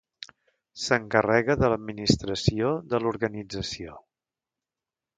S'encarrega de l'administració de l'organització.